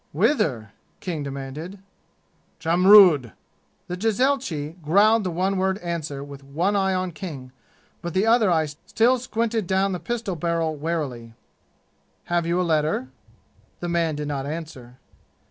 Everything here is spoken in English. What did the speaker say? "Whither?" King demanded. "Jamrud!" The jezailchi growled the one word answer with one eye on King, but the other eye still squinted down the pistol barrel warily. "Have you a letter?" The man did not answer.